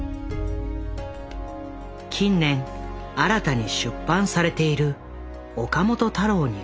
近年新たに出版されている岡本太郎に関する書籍の数々。